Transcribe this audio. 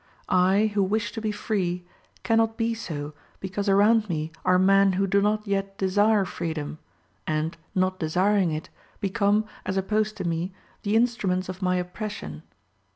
I, who wish to be free, cannot be so, because around me are men who do not yet desire freedom, and, not desiring it, become, as opposed to me, the instruments of my oppression."